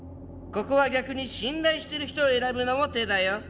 ここは逆に信頼してる人を選ぶのも手だよ。